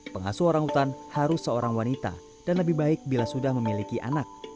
pengasuh orang utan harus seorang wanita dan lebih baik bila sudah memiliki anak